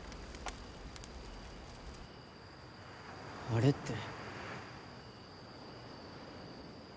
あれって。